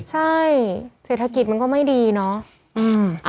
ใช่เศรษฐกิจมันก็ไม่ดีเนาะ